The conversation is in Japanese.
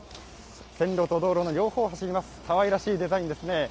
線路と道路の両方を走ります、かわいらしいデザインですね。